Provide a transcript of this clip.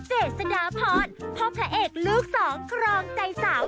เห็นหน้าแบบเนี่ยใช้ครีมอะไรครับ